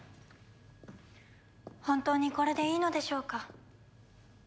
本当にこれでいいのでしょうか。